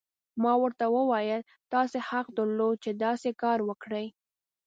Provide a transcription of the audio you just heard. ما ورته وویل: تاسي حق درلود، چې داسې کار وکړي.